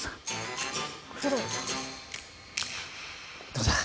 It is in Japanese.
どうだ。